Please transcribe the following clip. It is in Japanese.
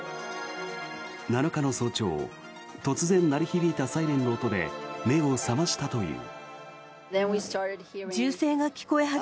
７日の早朝突然鳴り響いたサイレンの音で目を覚ましたという。